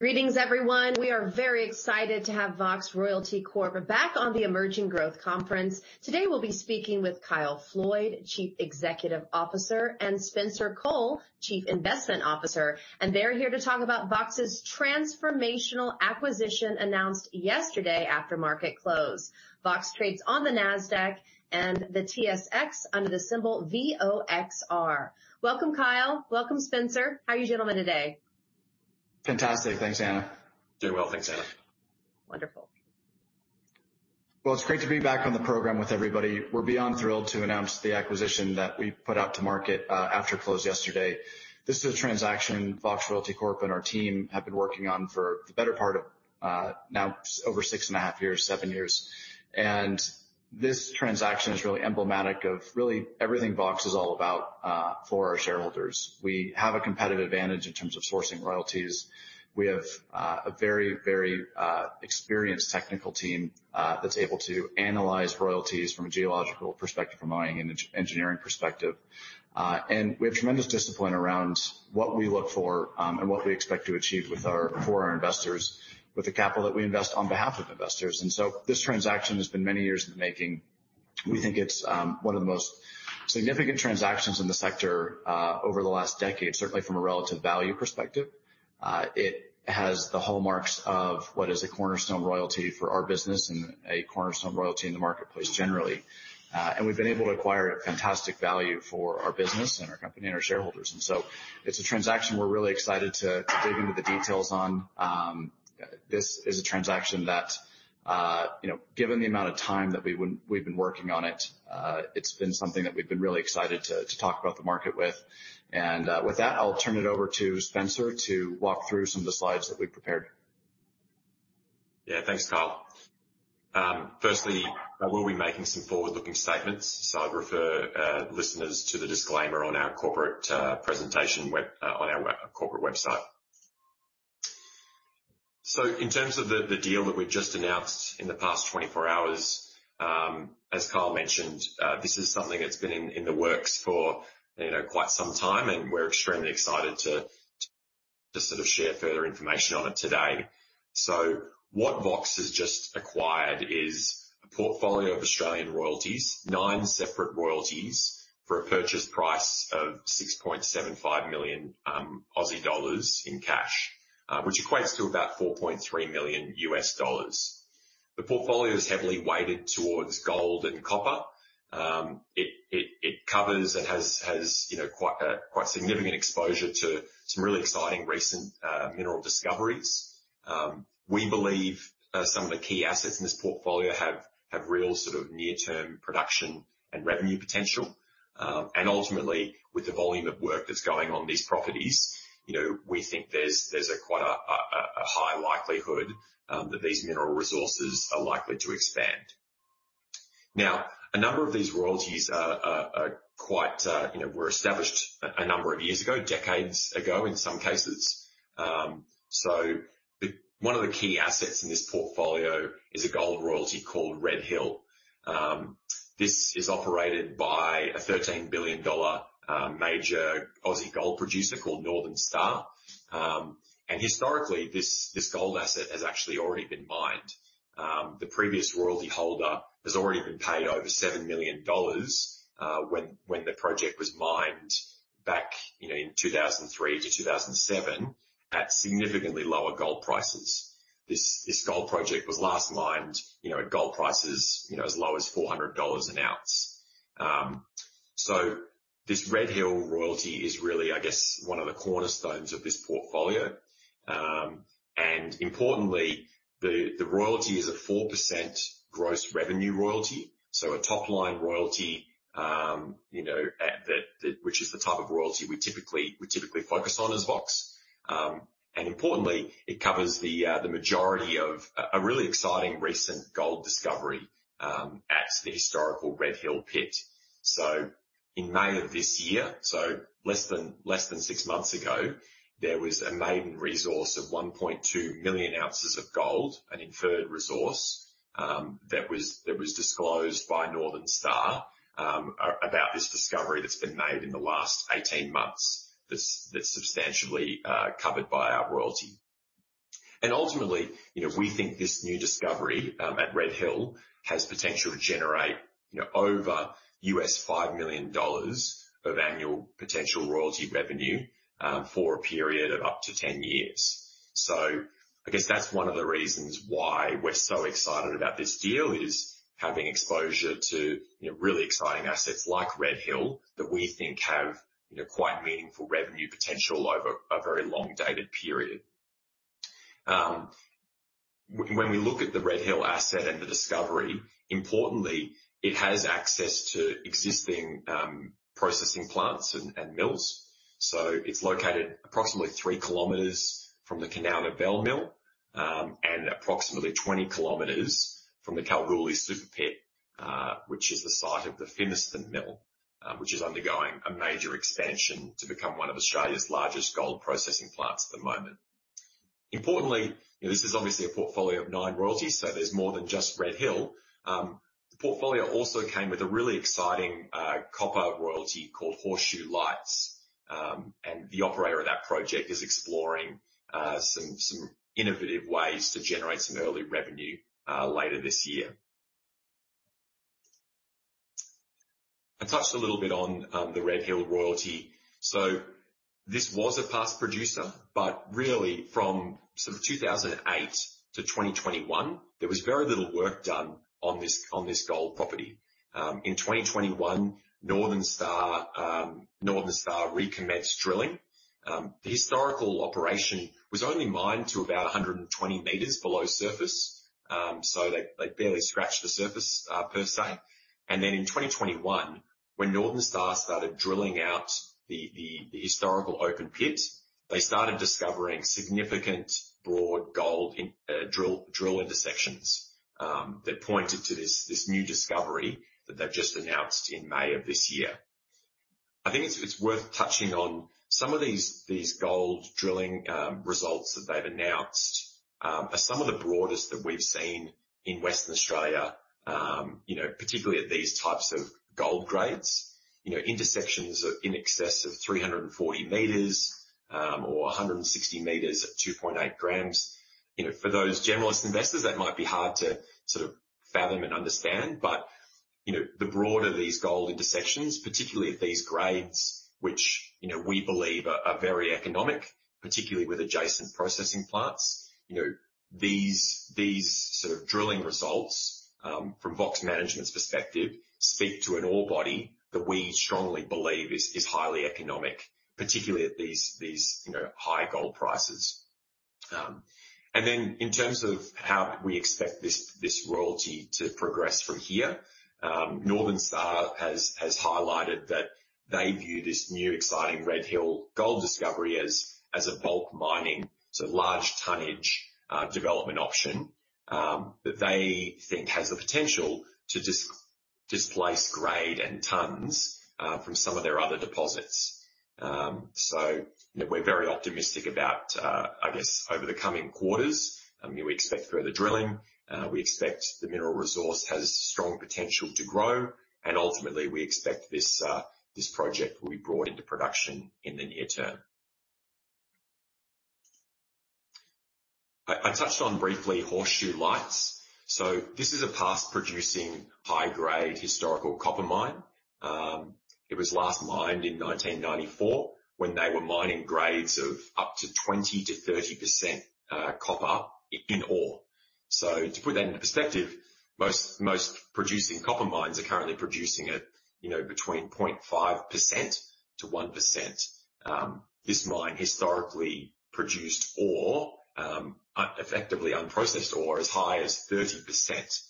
Greetings, everyone. We are very excited to have Vox Royalty Corp back on the Emerging Growth Conference. Today, we'll be speaking with Kyle Floyd, Chief Executive Officer, and Spencer Cole, Chief Investment Officer, and they're here to talk about Vox's transformational acquisition announced yesterday after market close. Vox trades on the Nasdaq and the TSX under the symbol VOXR. Welcome, Kyle. Welcome, Spencer. How are you, gentlemen, today? Fantastic. Thanks, Anna. Doing well. Thanks, Anna. Wonderful. Well, it's great to be back on the program with everybody. We're beyond thrilled to announce the acquisition that we put out to market after close yesterday. This is a transaction Vox Royalty Corp and our team have been working on for the better part of now over 6.5 years, 7 years. This transaction is really emblematic of really everything Vox is all about for our shareholders. We have a competitive advantage in terms of sourcing royalties. We have a very, very experienced technical team that's able to analyze royalties from a geological perspective, from a mining engineering perspective. And we have tremendous discipline around what we look for and what we expect to achieve with our—for our investors, with the capital that we invest on behalf of investors. So this transaction has been many years in the making. We think it's one of the most significant transactions in the sector over the last decade, certainly from a relative value perspective. It has the hallmarks of what is a cornerstone royalty for our business and a cornerstone royalty in the marketplace generally. We've been able to acquire a fantastic value for our business and our company and our shareholders, and so it's a transaction we're really excited to dig into the details on. This is a transaction that you know, given the amount of time that we've been working on it, it's been something that we've been really excited to talk about the market with. With that, I'll turn it over to Spencer to walk through some of the slides that we prepared. Yeah, thanks, Kyle. Firstly, we'll be making some forward-looking statements, so I'd refer listeners to the disclaimer on our corporate presentation web on our corporate website. So in terms of the deal that we've just announced in the past 24 hours, as Kyle mentioned, this is something that's been in the works for, you know, quite some time, and we're extremely excited to sort of share further information on it today. So what Vox has just acquired is a portfolio of Australian royalties, 9 separate royalties for a purchase price of 6.75 million Aussie dollars in cash, which equates to about $4.3 million. The portfolio is heavily weighted towards gold and copper. It covers and has, you know, quite significant exposure to some really exciting recent mineral discoveries. We believe some of the key assets in this portfolio have real sort of near-term production and revenue potential. And ultimately, with the volume of work that's going on these properties, you know, we think there's quite a high likelihood that these mineral resources are likely to expand. Now, a number of these royalties are quite, you know, were established a number of years ago, decades ago, in some cases. One of the key assets in this portfolio is a gold royalty called Red Hill. This is operated by a $13 billion major Aussie gold producer called Northern Star. And historically, this gold asset has actually already been mined. The previous royalty holder has already been paid over $7 million, when the project was mined back, you know, in 2003 to 2007, at significantly lower gold prices. This gold project was last mined, you know, at gold prices, you know, as low as $400 an oz. So this Red Hill royalty is really, I guess, one of the cornerstones of this portfolio. And importantly, the royalty is a 4% gross revenue royalty, so a top-line royalty, you know, which is the type of royalty we typically focus on as Vox. And importantly, it covers the majority of a really exciting recent gold discovery at the historical Red Hill pit. So in May of this year, so less than six months ago, there was a maiden resource of 1.2 million oz of gold, an inferred resource, that was disclosed by Northern Star, about this discovery that's been made in the last 18 months, that's substantially covered by our royalty. And ultimately, you know, we think this new discovery at Red Hill has potential to generate, you know, over $5 million of annual potential royalty revenue, for a period of up to 10 years. So I guess that's one of the reasons why we're so excited about this deal, is having exposure to, you know, really exciting assets like Red Hill, that we think have, you know, quite meaningful revenue potential over a very long dated period. When we look at the Red Hill asset and the discovery, importantly, it has access to existing processing plants and mills. So it's located approximately 3 km from the Kanowna Belle mill, and approximately 20 km from the Kalgoorlie Super Pit, which is the site of the Fimiston mill, which is undergoing a major expansion to become one of Australia's largest gold processing plants at the moment. Importantly, this is obviously a portfolio of 9 royalties, so there's more than just Red Hill. The portfolio also came with a really exciting copper royalty called Horseshoe Lights. And the operator of that project is exploring some innovative ways to generate some early revenue later this year. I touched a little bit on the Red Hill royalty. So this was a past producer, but really from sort of 2008 to 2021, there was very little work done on this gold property. In 2021, Northern Star recommenced drilling. The historical operation was only mined to about 120 m below surface. So they barely scratched the surface, per se. And then in 2021, when Northern Star started drilling out the historical open pit, they started discovering significant broad gold in drill intersections that pointed to this new discovery that they've just announced in May of this year. I think it's worth touching on some of these gold drilling results that they've announced are some of the broadest that we've seen in Western Australia. You know, particularly at these types of gold grades, you know, intersections of in excess of 340 m, or 160 m at 2.8 g. You know, for those generalist investors, that might be hard to sort of fathom and understand, but, you know, the broader these gold intersections, particularly at these grades, which, you know, we believe are, are very economic, particularly with adjacent processing plants. You know, these, these sort of drilling results, from Vox management's perspective, speak to an ore body that we strongly believe is, is highly economic, particularly at these, these, you know, high gold prices. And then in terms of how we expect this, this royalty to progress from here, Northern Star has highlighted that they view this new exciting Red Hill gold discovery as a bulk mining, so large tonnage, development option, that they think has the potential to displace grade and tons from some of their other deposits. So we're very optimistic about, I guess, over the coming quarters, we expect further drilling, we expect the mineral resource has strong potential to grow, and ultimately, we expect this this project will be brought into production in the near term. I touched on briefly Horseshoe Lights. So this is a past producing, high-grade historical copper mine. It was last mined in 1994, when they were mining grades of up to 20%-30% copper in ore. So to put that into perspective, most producing copper mines are currently producing at, you know, between 0.5%-1%. This mine historically produced ore, effectively unprocessed ore, as high as 30%.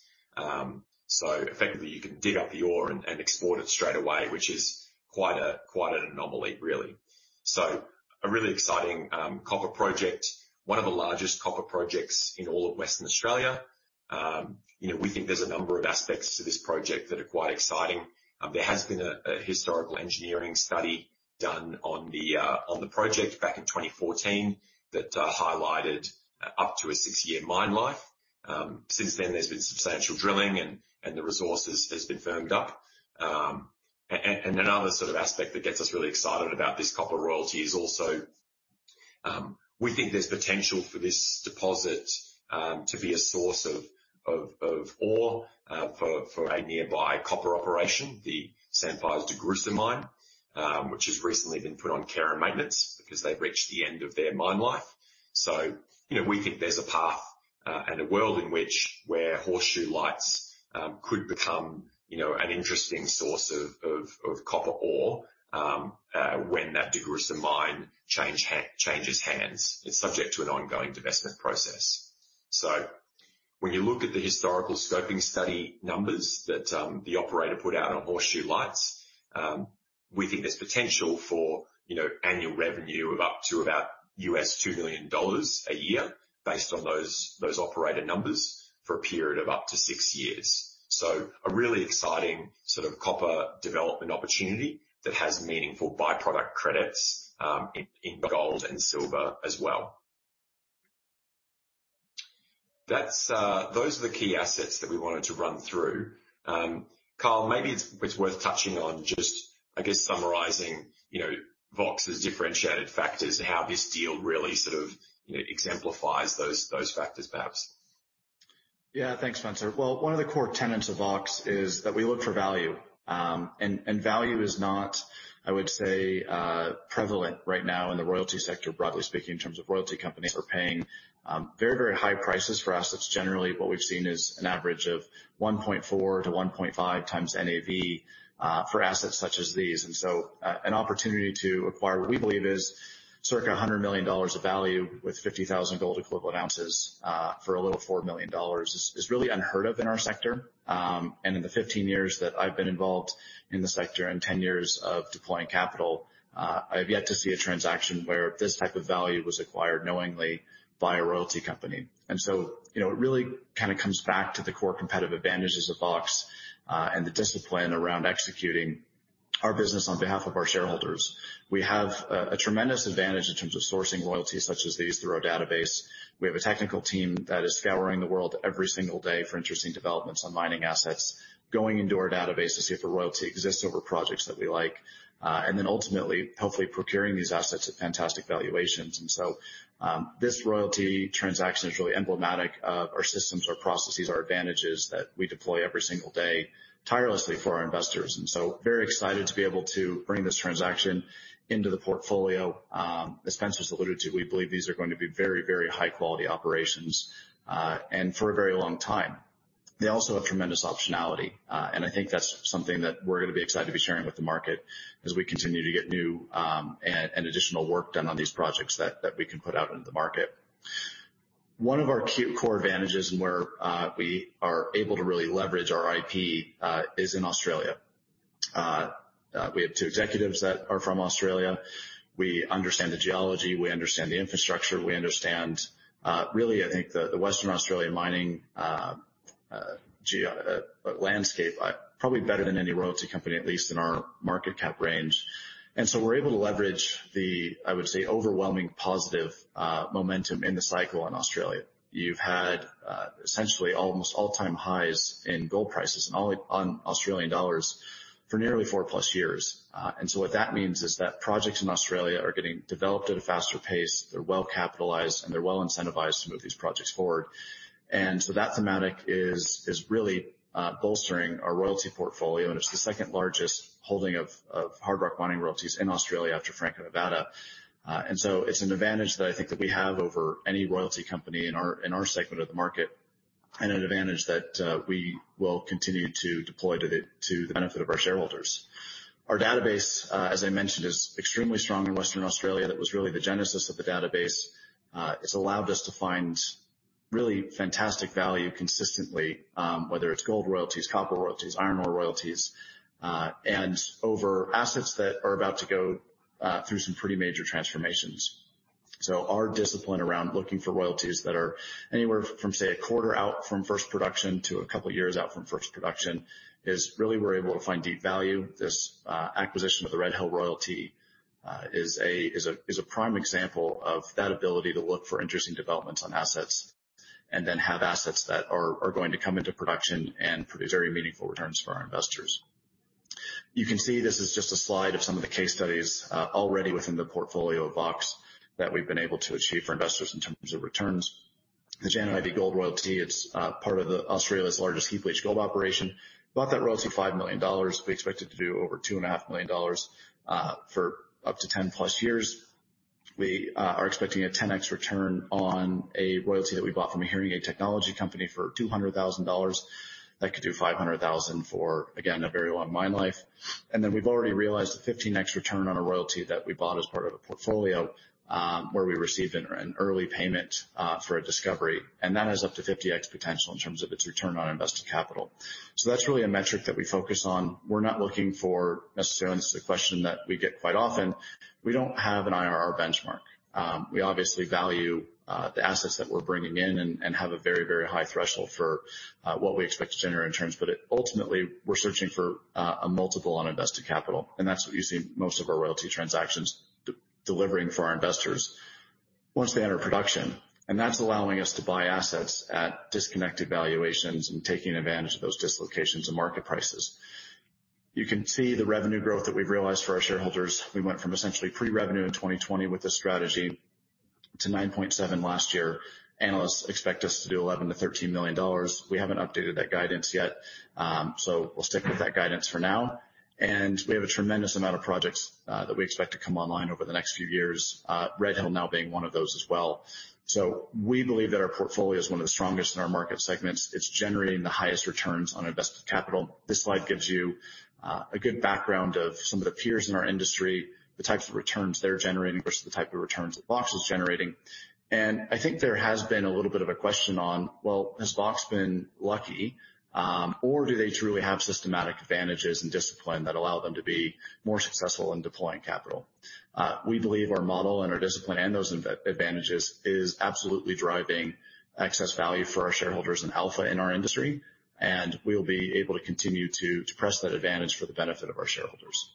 So effectively, you can dig up the ore and export it straight away, which is quite a, quite an anomaly, really. So a really exciting copper project, one of the largest copper projects in all of Western Australia. You know, we think there's a number of aspects to this project that are quite exciting. There has been a historical engineering study done on the project back in 2014, that highlighted up to a six-year mine life. Since then, there's been substantial drilling and the resource has been firmed up. And another sort of aspect that gets us really excited about this copper royalty is also we think there's potential for this deposit to be a source of ore for a nearby copper operation, the Sandfire's DeGrussa Mine, which has recently been put on care and maintenance because they've reached the end of their mine life. So, you know, we think there's a path and a world in which Horseshoe Lights could become, you know, an interesting source of copper ore when that DeGrussa Mine changes hands. It's subject to an ongoing divestment process. So when you look at the historical scoping study numbers that the operator put out on Horseshoe Lights, we think there's potential for, you know, annual revenue of up to about $2 million a year, based on those, those operator numbers, for a period of up to 6 years. So a really exciting sort of copper development opportunity that has meaningful byproduct credits in, in gold and silver as well. That's those are the key assets that we wanted to run through. Kyle, maybe it's, it's worth touching on just, I guess, summarizing, you know, Vox's differentiated factors and how this deal really sort of, you know, exemplifies those, those factors, perhaps. Yeah. Thanks, Spencer. Well, one of the core tenets of Vox is that we look for value. Value is not, I would say, prevalent right now in the royalty sector, broadly speaking, in terms of royalty companies are paying very, very high prices for assets. Generally, what we've seen is an average of 1.4x-1.5x NAV for assets such as these. And so, an opportunity to acquire what we believe is circa $100 million of value with 50,000 gold equivalent ounces for a little $4 million is really unheard of in our sector. In the 15 years that I've been involved in the sector and 10 years of deploying capital, I've yet to see a transaction where this type of value was acquired knowingly by a royalty company. And so, you know, it really kind of comes back to the core competitive advantages of Vox, and the discipline around executing our business on behalf of our shareholders. We have a tremendous advantage in terms of sourcing royalties such as these through our database. We have a technical team that is scouring the world every single day for interesting developments on mining assets, going into our database to see if a royalty exists over projects that we like, and then ultimately, hopefully procuring these assets at fantastic valuations. And so, this royalty transaction is really emblematic of our systems, our processes, our advantages that we deploy every single day tirelessly for our investors. And so very excited to be able to bring this transaction into the portfolio. As Spencer's alluded to, we believe these are going to be very, very high quality operations, and for a very long time. They also have tremendous optionality, and I think that's something that we're going to be excited to be sharing with the market as we continue to get new, and additional work done on these projects that we can put out into the market. One of our key core advantages, and where we are able to really leverage our IP, is in Australia. We have two executives that are from Australia. We understand the geology, we understand the infrastructure, we understand really, I think the Western Australia mining geo landscape, probably better than any royalty company, at least in our market cap range. And so we're able to leverage the, I would say, overwhelming positive momentum in the cycle in Australia. You've had essentially almost all-time highs in gold prices and all on Australian dollars for nearly four plus years. And so what that means is that projects in Australia are getting developed at a faster pace. They're well capitalized, and they're well incentivized to move these projects forward. And so that thematic is really bolstering our royalty portfolio, and it's the second largest holding of hard rock mining royalties in Australia after Franco-Nevada. And so it's an advantage that I think that we have over any royalty company in our segment of the market, and an advantage that we will continue to deploy to the benefit of our shareholders. Our database, as I mentioned, is extremely strong in Western Australia. That was really the genesis of the database. It's allowed us to find really fantastic value consistently, whether it's gold royalties, copper royalties, iron ore royalties, and over assets that are about to go through some pretty major transformations. So our discipline around looking for royalties that are anywhere from, say, a quarter out from first production to a couple of years out from first production, is really we're able to find deep value. This acquisition of the Red Hill royalty is a prime example of that ability to look for interesting developments on assets, and then have assets that are going to come into production and produce very meaningful returns for our investors. You can see this is just a slide of some of the case studies already within the portfolio of Vox, that we've been able to achieve for investors in terms of returns. The Janet Ivy gold royalty, it's part of the Australia's largest heap leach gold operation. Bought that royalty, $5 million. We expect it to do over $2.5 million for up to 10+ years. We are expecting a 10x return on a royalty that we bought from a hearing aid technology company for $200,000. That could do $500,000 for, again, a very long mine life. Then we've already realized a 15x return on a royalty that we bought as part of a portfolio, where we received an early payment for a discovery, and that has up to 50x potential in terms of its return on invested capital. So that's really a metric that we focus on. We're not looking for necessarily, and this is a question that we get quite often. We don't have an IRR benchmark. We obviously value the assets that we're bringing in and have a very, very high threshold for what we expect to generate in terms. But ultimately, we're searching for a multiple on invested capital, and that's what you see most of our royalty transactions delivering for our investors once they enter production. That's allowing us to buy assets at disconnected valuations and taking advantage of those dislocations in market prices. You can see the revenue growth that we've realized for our shareholders. We went from essentially pre-revenue in 2020 with this strategy to $9.7 million last year. Analysts expect us to do $11 million-$13 million. We haven't updated that guidance yet, so we'll stick with that guidance for now. We have a tremendous amount of projects that we expect to come online over the next few years, Red Hill now being one of those as well. We believe that our portfolio is one of the strongest in our market segments. It's generating the highest returns on invested capital. This slide gives you a good background of some of the peers in our industry, the types of returns they're generating versus the type of returns that Vox is generating. I think there has been a little bit of a question on, well, has Vox been lucky? Or do they truly have systematic advantages and discipline that allow them to be more successful in deploying capital? We believe our model and our discipline and those advantages is absolutely driving excess value for our shareholders and alpha in our industry, and we will be able to continue to press that advantage for the benefit of our shareholders.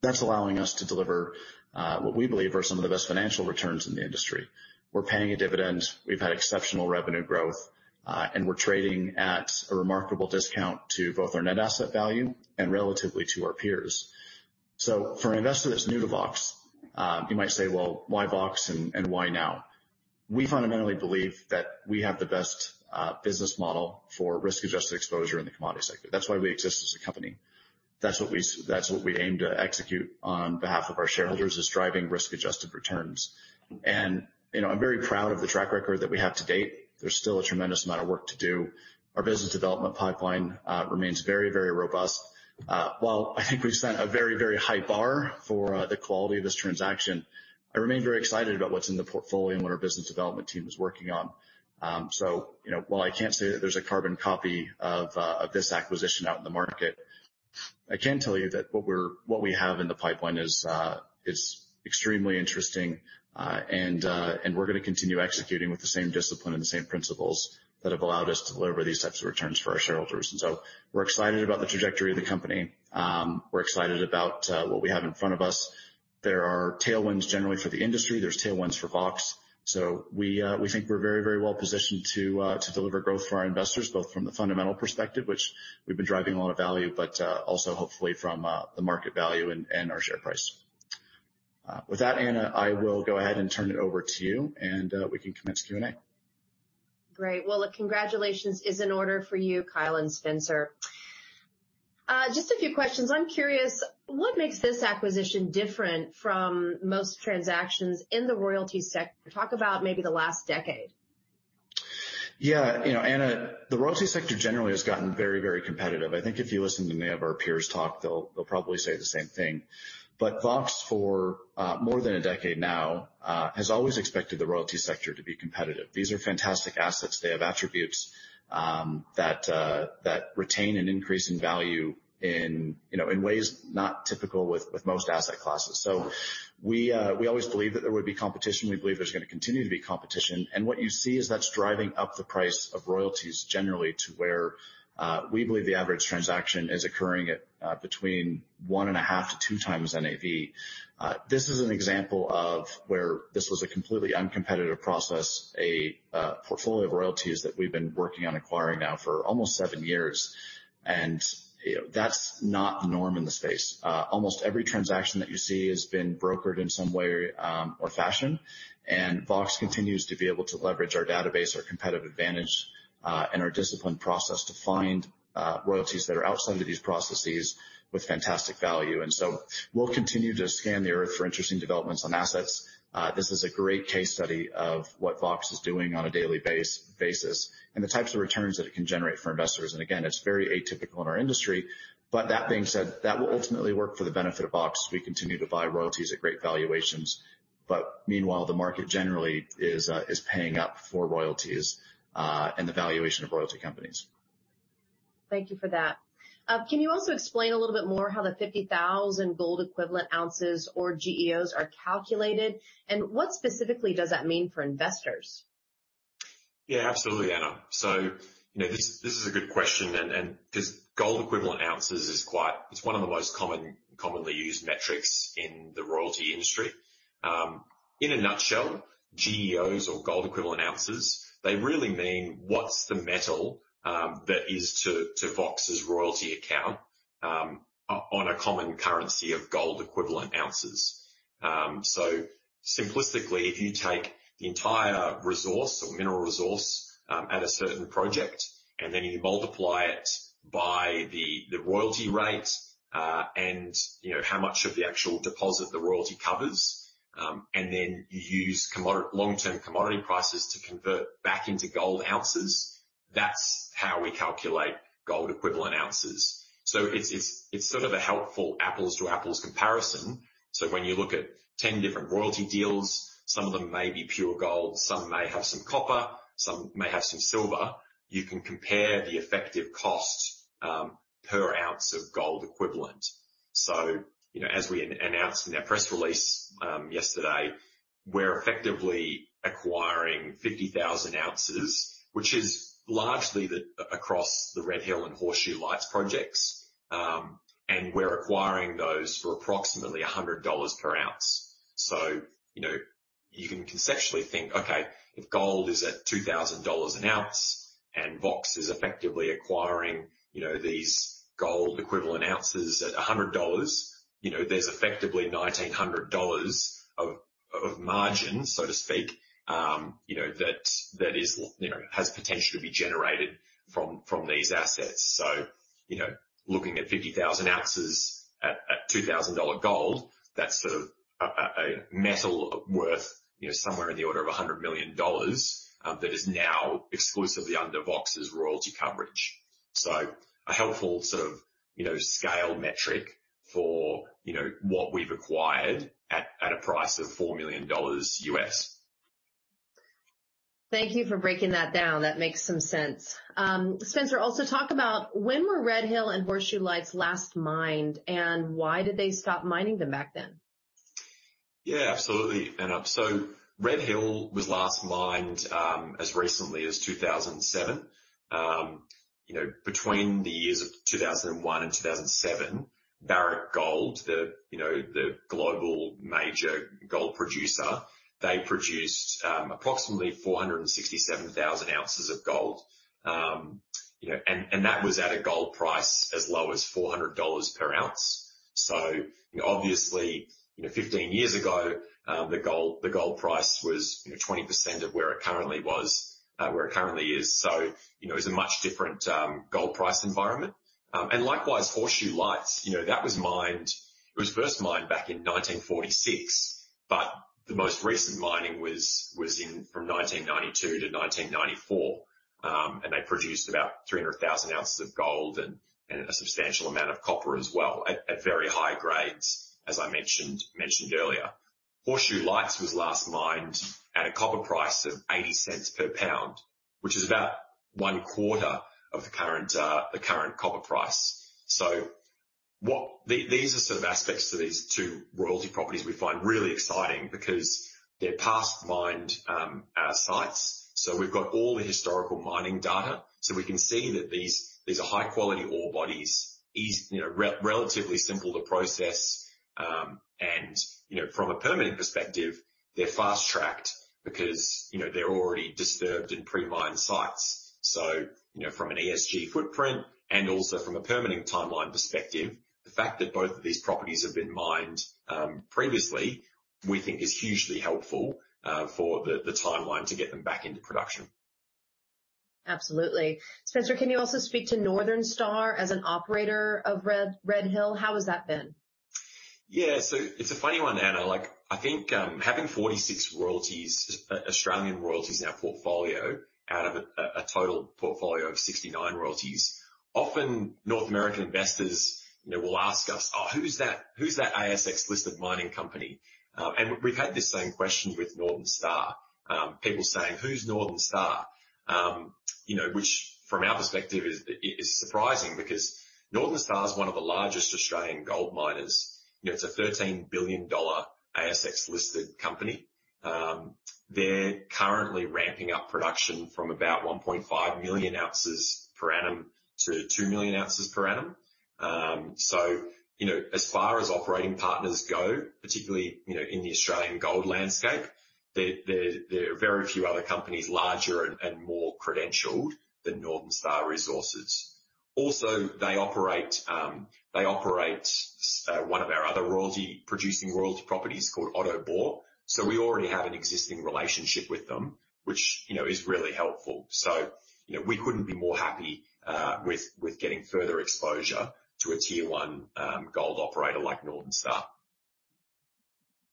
That's allowing us to deliver what we believe are some of the best financial returns in the industry. We're paying a dividend, we've had exceptional revenue growth, and we're trading at a remarkable discount to both our net asset value and relatively to our peers. So for an investor that's new to Vox, you might say, "Well, why Vox and, and why now?" We fundamentally believe that we have the best business model for risk-adjusted exposure in the commodity sector. That's why we exist as a company. That's what we, that's what we aim to execute on behalf of our shareholders, is driving risk-adjusted returns. And, you know, I'm very proud of the track record that we have to date. There's still a tremendous amount of work to do. Our business development pipeline remains very, very robust. While I think we've set a very, very high bar for the quality of this transaction, I remain very excited about what's in the portfolio and what our business development team is working on. So, you know, while I can't say that there's a carbon copy of this acquisition out in the market, I can tell you that what we have in the pipeline is extremely interesting, and we're going to continue executing with the same discipline and the same principles that have allowed us to deliver these types of returns for our shareholders. And so we're excited about the trajectory of the company. We're excited about what we have in front of us... There are tailwinds generally for the industry, there's tailwinds for Vox. So we think we're very, very well positioned to deliver growth for our investors, both from the fundamental perspective, which we've been driving a lot of value, but also hopefully from the market value and our share price. With that, Anna, I will go ahead and turn it over to you, and we can commence Q&A. Great. Well, a congratulations is in order for you, Kyle and Spencer. Just a few questions. I'm curious, what makes this acquisition different from most transactions in the royalty sector? Talk about maybe the last decade. Yeah, you know, Anna, the royalty sector generally has gotten very, very competitive. I think if you listen to many of our peers talk, they'll, they'll probably say the same thing. But Vox, for, more than a decade now, has always expected the royalty sector to be competitive. These are fantastic assets. They have attributes, that, that retain an increase in value in, you know, in ways not typical with, with most asset classes. So we, we always believed that there would be competition. We believe there's gonna continue to be competition, and what you see is that's driving up the price of royalties generally to where, we believe the average transaction is occurring at, between 1.5x-2x NAV. This is an example of where this was a completely uncompetitive process, a portfolio of royalties that we've been working on acquiring now for almost seven years, and, you know, that's not the norm in the space. Almost every transaction that you see has been brokered in some way or fashion, and Vox continues to be able to leverage our database, our competitive advantage, and our disciplined process to find royalties that are outside of these processes with fantastic value. And so we'll continue to scan the earth for interesting developments on assets. This is a great case study of what Vox is doing on a daily basis, and the types of returns that it can generate for investors. And again, it's very atypical in our industry, but that being said, that will ultimately work for the benefit of Vox. We continue to buy royalties at great valuations, but meanwhile, the market generally is, is paying up for royalties, and the valuation of royalty companies. Thank you for that. Can you also explain a little bit more how the 50,000 gold equivalent ounces or GEOs are calculated, and what specifically does that mean for investors? Yeah, absolutely, Anna. So, you know, this is a good question, and because gold equivalent ounces is quite, it's one of the most common, commonly used metrics in the royalty industry. In a nutshell, GEOs or gold equivalent ounces, they really mean what's the metal that is to Vox's royalty account on a common currency of gold equivalent ounces. So simplistically, if you take the entire resource or mineral resource at a certain project, and then you multiply it by the royalty rate, and you know, how much of the actual deposit the royalty covers, and then you use long-term commodity prices to convert back into gold ounces, that's how we calculate gold equivalent ounces. So it's sort of a helpful apples-to-apples comparison. So when you look at 10 different royalty deals, some of them may be pure gold, some may have some copper, some may have some silver. You can compare the effective cost per ounce of gold equivalent. So, you know, as we announced in our press release yesterday, we're effectively acquiring 50,000 oz, which is largely across the Red Hill and Horseshoe Lights projects, and we're acquiring those for approximately $100 per oz. So, you know, you can conceptually think, okay, if gold is at $2,000 an oz, and Vox is effectively acquiring, you know, these gold equivalent ounces at $100, you know, there's effectively $1,900 of margin, so to speak, you know, that that is, you know, has potential to be generated from these assets. So, you know, looking at 50,000 oz at $2,000 gold, that's sort of a metal worth, you know, somewhere in the order of $100 million, that is now exclusively under Vox's royalty coverage. So a helpful sort of, you know, scale metric for, you know, what we've acquired at a price of $4 million US. Thank you for breaking that down. That makes some sense. Spencer, also talk about when were Red Hill and Horseshoe Lights last mined, and why did they stop mining them back then? Yeah, absolutely, Anna. So Red Hill was last mined as recently as 2007. You know, between the years of 2001 and 2007, Barrick Gold, the, you know, the global major gold producer, they produced approximately 467,000 oz of gold. You know, and, and that was at a gold price as low as $400 per oz. So obviously, you know, 15 years ago, the gold, the gold price was, you know, 20% of where it currently was, where it currently is. So, you know, it's a much different gold price environment. And likewise, Horseshoe Lights, you know, that was mined. It was first mined back in 1946, but the most recent mining was, was in from 1992 to 1994. And they produced about 300,000 oz of gold and a substantial amount of copper as well, at very high grades, as I mentioned earlier. Horseshoe Lights was last mined at a copper price of $0.80 per lbs, which is about one quarter of the current copper price. So these are sort of aspects to these two royalty properties we find really exciting because they're past mined sites, so we've got all the historical mining data, so we can see that these are high-quality ore bodies that are, you know, relatively simple to process. And, you know, from a permitting perspective, they're fast-tracked because, you know, they're already disturbed in pre-mine sites. So, you know, from an ESG footprint and also from a permitting timeline perspective, the fact that both of these properties have been mined previously, we think is hugely helpful for the timeline to get them back into production. Absolutely. Spencer, can you also speak to Northern Star as an operator of Red Hill? How has that been? Yeah. So it's a funny one, Anna. Like, I think, having 46 royalties, Australian royalties in our portfolio out of a total portfolio of 69 royalties, often North American investors, you know, will ask us, "Oh, who's that, who's that ASX-listed mining company?" And we've had this same question with Northern Star. People saying: "Who's Northern Star?" You know, which from our perspective is surprising because Northern Star is one of the largest Australian gold miners. You know, it's a 13 billion dollar ASX-listed company. They're currently ramping up production from about 1.5 million oz per annum to 2 million oz per annum. So, you know, as far as operating partners go, particularly, you know, in the Australian gold landscape, there are very few other companies larger and more credentialed than Northern Star Resources. Also, they operate one of our other royalty-producing royalty properties called Otto Bore, so we already have an existing relationship with them, which, you know, is really helpful. So, you know, we couldn't be more happy with getting further exposure to a Tier 1 gold operator like Northern Star.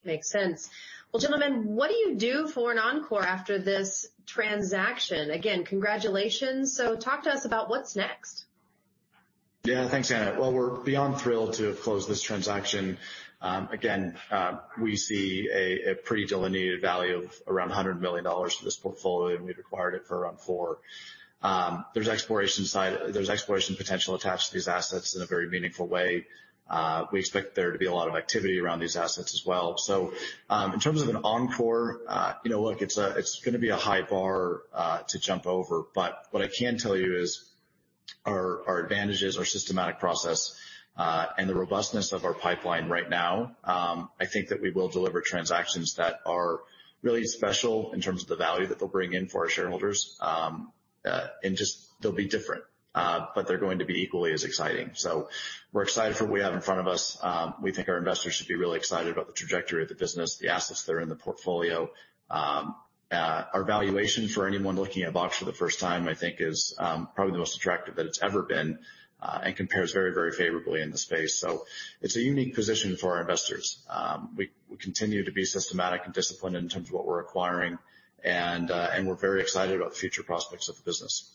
Makes sense. Well, gentlemen, what do you do for an encore after this transaction? Again, congratulations. So talk to us about what's next? Yeah, thanks, Anna. Well, we're beyond thrilled to have closed this transaction. Again, we see a pretty delineated value of around $100 million for this portfolio, and we've acquired it for around $4 million. There's exploration potential attached to these assets in a very meaningful way. We expect there to be a lot of activity around these assets as well. So, in terms of an encore, you know, look, it's gonna be a high bar to jump over, but what I can tell you is our advantages, our systematic process, and the robustness of our pipeline right now, I think that we will deliver transactions that are really special in terms of the value that they'll bring in for our shareholders. And just they'll be different, but they're going to be equally as exciting. So we're excited for what we have in front of us. We think our investors should be really excited about the trajectory of the business, the assets that are in the portfolio. Our valuation for anyone looking at Vox for the first time, I think is probably the most attractive that it's ever been, and compares very, very favorably in the space. So it's a unique position for our investors. We, we continue to be systematic and disciplined in terms of what we're acquiring, and, and we're very excited about the future prospects of the business.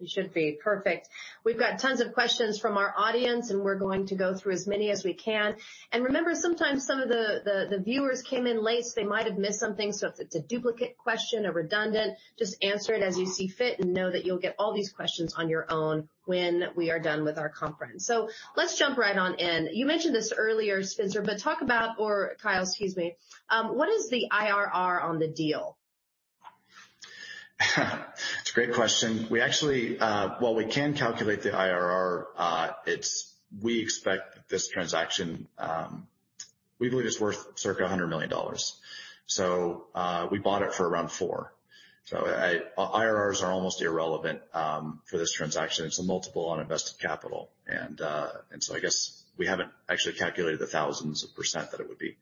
You should be. Perfect. We've got tons of questions from our audience, and we're going to go through as many as we can. Remember, sometimes some of the viewers came in late, so they might have missed something. So if it's a duplicate question or redundant, just answer it as you see fit and know that you'll get all these questions on your own when we are done with our conference. So let's jump right on in. You mentioned this earlier, Spencer, but talk about... or Kyle, excuse me. What is the IRR on the deal? It's a great question. We actually, while we can calculate the IRR, it's, we expect this transaction, we believe it's worth circa $100 million. So, we bought it for around $4 million. So I, IRRs are almost irrelevant, for this transaction. It's a multiple on invested capital. And, and so I guess we haven't actually calculated the thousands of % that it would be.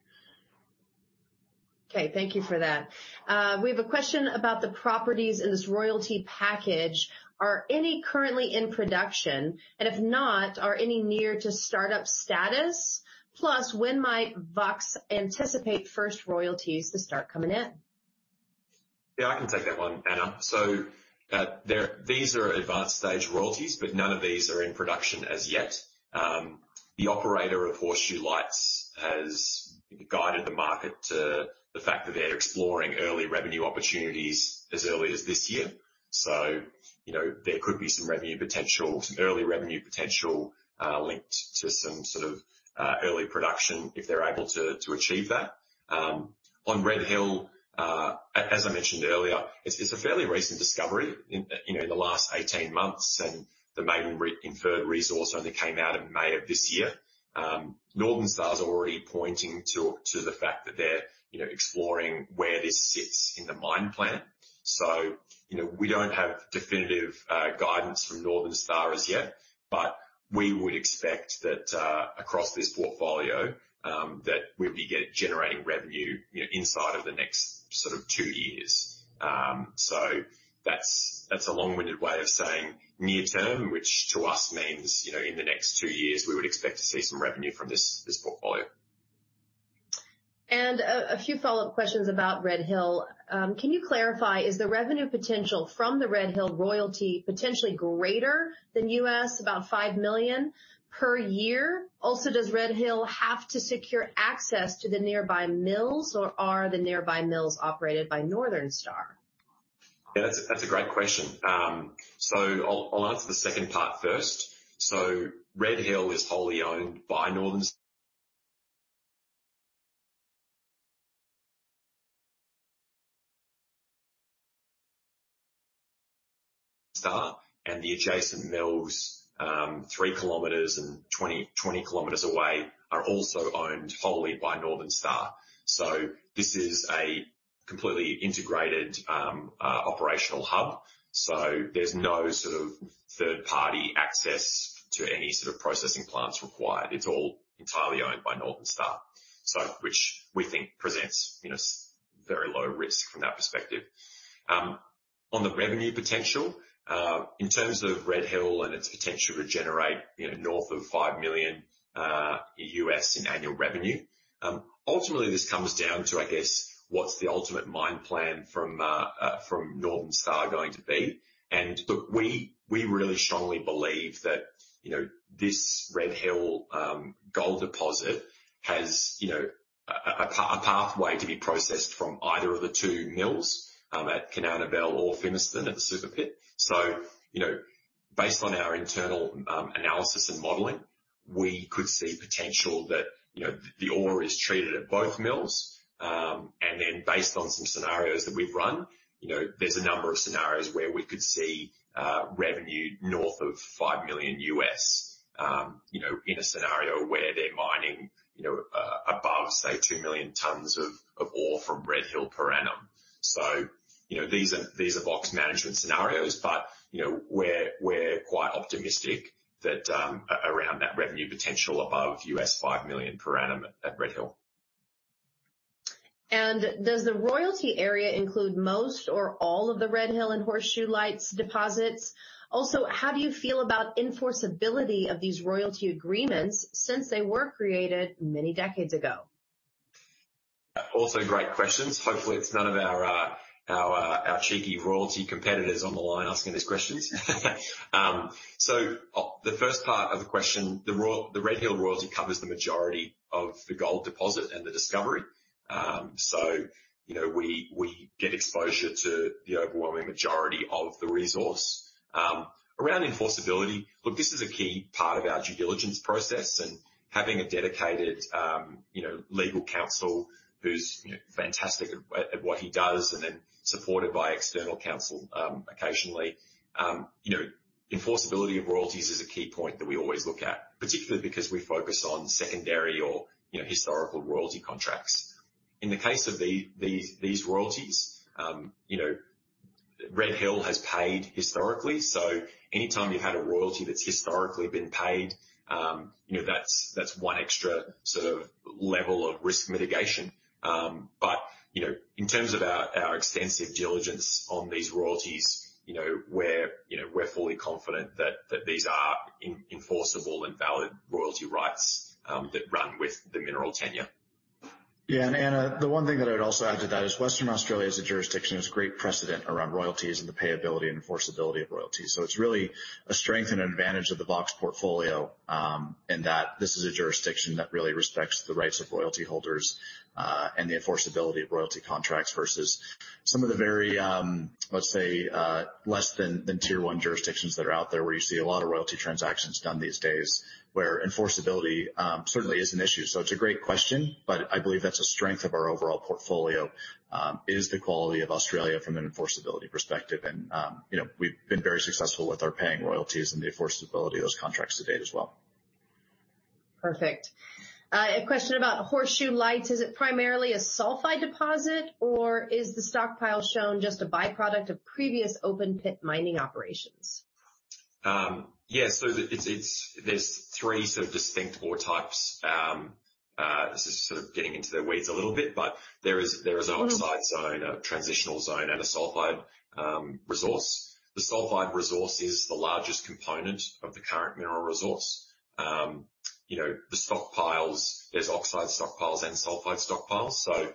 Okay, thank you for that. We have a question about the properties in this royalty package. Are any currently in production? And if not, are any near to startup status? Plus, when might Vox anticipate first royalties to start coming in? Yeah, I can take that one, Anna. So, these are advanced stage royalties, but none of these are in production as yet. The operator of Horseshoe Lights has guided the market to the fact that they're exploring early revenue opportunities as early as this year. So, you know, there could be some revenue potential, some early revenue potential, linked to some sort of early production if they're able to achieve that. On Red Hill, as I mentioned earlier, it's a fairly recent discovery in, you know, the last 18 months, and the maiden inferred resource only came out in May of this year. Northern Star is already pointing to the fact that they're, you know, exploring where this sits in the mine plan. You know, we don't have definitive guidance from Northern Star as yet, but we would expect that, across this portfolio, that we'll be generating revenue, you know, inside of the next sort of two years. So that's, that's a long-winded way of saying near term, which to us means, you know, in the next two years, we would expect to see some revenue from this, this portfolio. A few follow-up questions about Red Hill. Can you clarify, is the revenue potential from the Red Hill royalty potentially greater than $5 million per year? Also, does Red Hill have to secure access to the nearby mills, or are the nearby mills operated by Northern Star? Yeah, that's a great question. So I'll answer the second part first. So Red Hill is wholly owned by Northern Star and the adjacent mills, 3 km and 20 km away are also owned wholly by Northern Star. So this is a completely integrated operational hub, so there's no sort of third-party access to any sort of processing plants required. It's all entirely owned by Northern Star, so which we think presents, you know, very low risk from that perspective. On the revenue potential, in terms of Red Hill and its potential to generate, you know, north of $5 million in annual revenue, ultimately, this comes down to, I guess, what's the ultimate mine plan from Northern Star going to be? Look, we really strongly believe that, you know, this Red Hill gold deposit has, you know, a pathway to be processed from either of the two mills at Kanowna Belle or Fimiston at the Super Pit. So, you know, based on our internal analysis and modeling, we could see potential that, you know, the ore is treated at both mills. And then based on some scenarios that we've run, you know, there's a number of scenarios where we could see revenue north of $5 million. You know, in a scenario where they're mining, you know, above, say, 2 million tons of ore from Red Hill per annum. So, you know, these are Vox management scenarios, but, you know, we're quite optimistic that around that revenue potential above $5 million per annum at Red Hill. Does the royalty area include most or all of the Red Hill and Horseshoe Lights deposits? Also, how do you feel about enforceability of these royalty agreements since they were created many decades ago? Also great questions. Hopefully, it's none of our cheeky royalty competitors on the line asking these questions. So, the first part of the question, the Red Hill royalty covers the majority of the gold deposit and the discovery. So, you know, we get exposure to the overwhelming majority of the resource. Around enforceability, look, this is a key part of our due diligence process, and having a dedicated, you know, legal counsel who's, you know, fantastic at what he does, and then supported by external counsel, occasionally. You know, enforceability of royalties is a key point that we always look at, particularly because we focus on secondary or, you know, historical royalty contracts. In the case of these royalties, you know, Red Hill has paid historically, so anytime you've had a royalty that's historically been paid, you know, that's one extra sort of level of risk mitigation. But, you know, in terms of our extensive diligence on these royalties, you know, we're fully confident that these are enforceable and valid royalty rights, that run with the mineral tenure. Yeah, and, Anna, the one thing that I'd also add to that is Western Australia as a jurisdiction, has great precedent around royalties and the payability and enforceability of royalties. So it's really a strength and an advantage of the Vox portfolio, in that this is a jurisdiction that really respects the rights of royalty holders, and the enforceability of royalty contracts, versus some of the very, let's say, less than tier one jurisdictions that are out there, where you see a lot of royalty transactions done these days, where enforceability, certainly is an issue. So it's a great question, but I believe that's a strength of our overall portfolio, is the quality of Australia from an enforceability perspective. And, you know, we've been very successful with our paying royalties and the enforceability of those contracts to date as well. Perfect. A question about Horseshoe Lights: Is it primarily a sulfide deposit, or is the stockpile shown just a byproduct of previous open-pit mining operations? Yeah, so the... It's, it's— there's three sort of distinct ore types. This is sort of getting into the weeds a little bit, but there is, there is an- Mm-hmm... oxide zone, a transitional zone, and a sulfide resource. The sulfide resource is the largest component of the current mineral resource. You know, the stockpiles, there's oxide stockpiles and sulfide stockpiles, so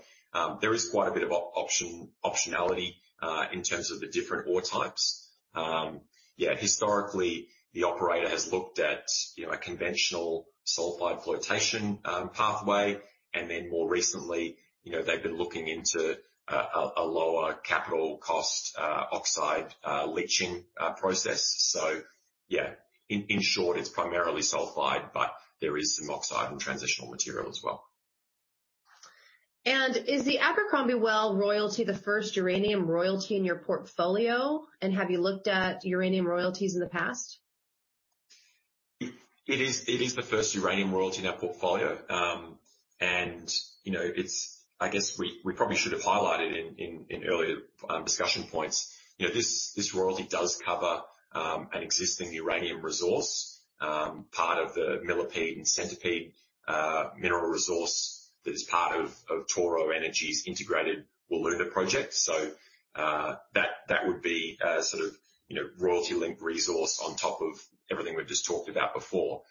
there is quite a bit of optionality in terms of the different ore types. Yeah, historically, the operator has looked at, you know, a conventional sulfide flotation pathway, and then more recently, you know, they've been looking into a lower capital cost oxide leaching process. So, yeah, in short, it's primarily sulfide, but there is some oxide and transitional material as well. Is the Abercrombie Well royalty the first uranium royalty in your portfolio, and have you looked at uranium royalties in the past? It is the first uranium royalty in our portfolio. And, you know, it's... I guess we probably should have highlighted in earlier discussion points, you know, this royalty does cover an existing uranium resource, part of the Millipede and Centipede mineral resource that is part of Toro Energy's integrated Wiluna project. So, that would be a sort of, you know, royalty-linked resource on top of everything we've just talked about before.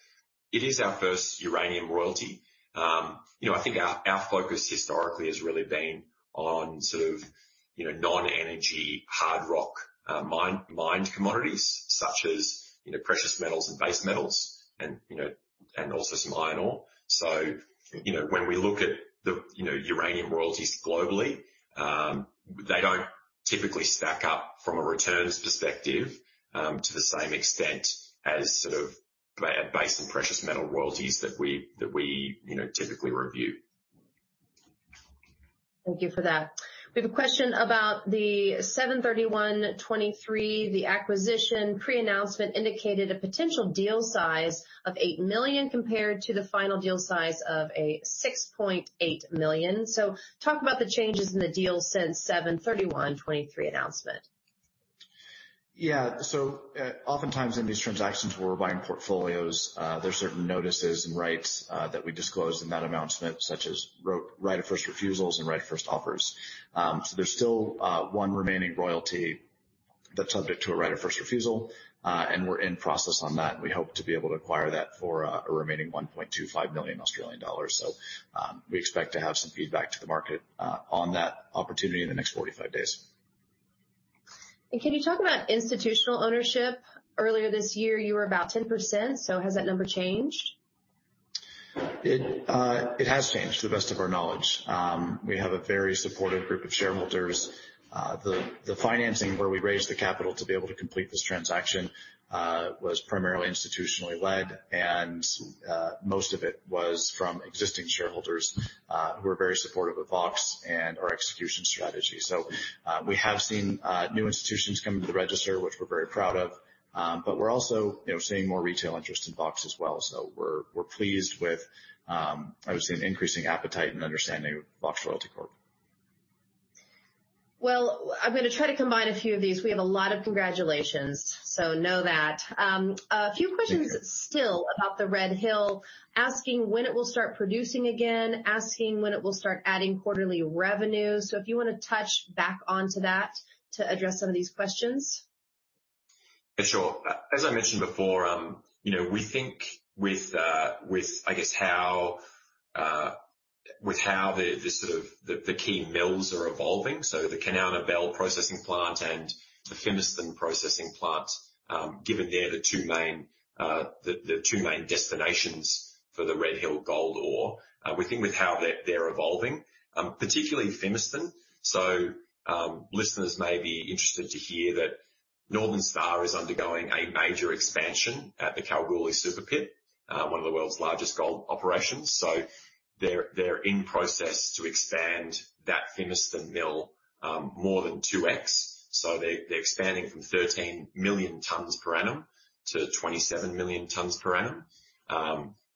It is our first uranium royalty. You know, I think our focus historically has really been on sort of, you know, non-energy, hard rock, mined commodities such as, you know, precious metals and base metals and, you know, and also some iron ore. So, you know, when we look at the, you know, uranium royalties globally, they don't typically stack up from a returns perspective, to the same extent as sort of base and precious metal royalties that we, that we, you know, typically review. ...Thank you for that. We have a question about the 7/31/2023. The acquisition pre-announcement indicated a potential deal size of $8 million, compared to the final deal size of a $6.8 million. So talk about the changes in the deal since 7/31/2023 announcement. Yeah. So, oftentimes in these transactions where we're buying portfolios, there are certain notices and rights that we disclose in that announcement, such as right of first refusals and right of first offers. So, there's still one remaining royalty that's subject to a right of first refusal, and we're in process on that, and we hope to be able to acquire that for a remaining 1.25 million Australian dollars. So, we expect to have some feedback to the market on that opportunity in the next 45 days. Can you talk about institutional ownership? Earlier this year, you were about 10%, so has that number changed? It has changed, to the best of our knowledge. We have a very supportive group of shareholders. The financing where we raised the capital to be able to complete this transaction was primarily institutionally led, and most of it was from existing shareholders who are very supportive of Vox and our execution strategy. So, we have seen new institutions come to the register, which we're very proud of, but we're also, you know, seeing more retail interest in Vox as well. So we're pleased with, obviously, an increasing appetite and understanding of Vox Royalty Corp. Well, I'm going to try to combine a few of these. We have a lot of congratulations, so know that. A few questions- Thank you. Still about the Red Hill, asking when it will start producing again, asking when it will start adding quarterly revenue. So if you want to touch back onto that to address some of these questions. Sure. As I mentioned before, you know, we think with, I guess, how the key mills are evolving, so the Kanowna Belle processing plant and the Fimiston processing plant, given they're the two main destinations for the Red Hill gold ore. We think with how they're evolving, particularly Fimiston. So, listeners may be interested to hear that Northern Star is undergoing a major expansion at the Kalgoorlie Super Pit, one of the world's largest gold operations. So they're in process to expand that Fimiston mill, more than 2x. So they, they're expanding from 13 million tons per annum to 27 million tons per annum,